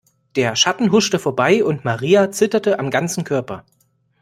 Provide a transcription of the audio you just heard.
Der Schatten huschte vorbei und Maria zitterte am ganzen Körper.